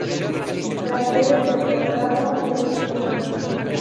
La sede del condado es Durham.